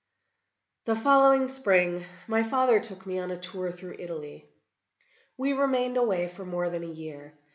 The following Spring my father took me a tour through Italy. We remained away for more than a year.